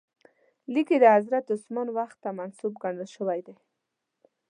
لیک یې د حضرت عثمان وخت ته منسوب ګڼل شوی دی.